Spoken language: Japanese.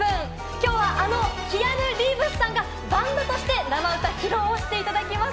きょうはあの、キアヌ・リーブスさんがバンドとして、生歌披露していただきます！